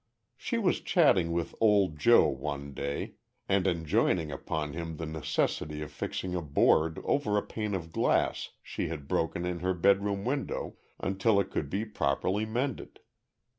She was chatting with old Joe one day, and enjoining upon him the necessity of fixing a board over a pane of glass she had broken in her bedroom window, until it could be properly mended.